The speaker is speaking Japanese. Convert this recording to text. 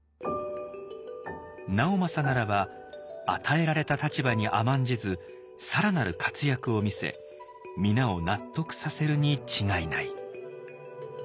直政ならば与えられた立場に甘んじず更なる活躍を見せ皆を納得させるに違いない。